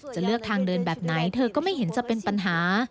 จะเลือกทางเดินแบบไหนเธอก็ไม่เห็นจะเป็นปัญหา